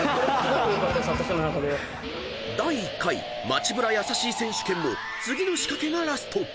［第１回街ブラ優しい選手権も次の仕掛けがラスト］